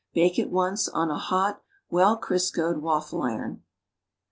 Bake at once on a hot wcll Criscoed waffle iron.